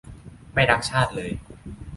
ไม่รักชาติเลย